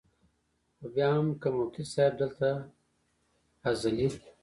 خو بیا هم کۀ مفتي صېب دلته ازلي ،